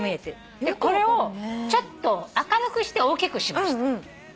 これをちょっと明るくして大きくしました。